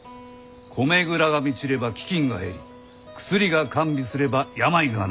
「米蔵が満ちれば飢きんが減り薬が完備すれば病が治る。